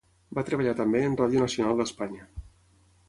Va treballar també en Ràdio Nacional d'Espanya.